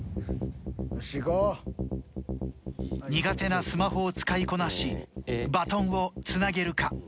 苦手なスマホを使いこなしバトンをつなげるか。